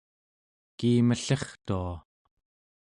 kiimellirtua